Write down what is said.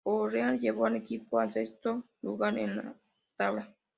O'Leary llevó al equipo al sexto lugar en la tabla.